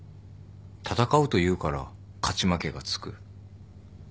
「闘う」と言うから勝ち負けがつく。